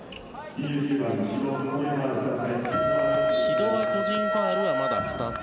城戸は個人ファウルはまだ２つ。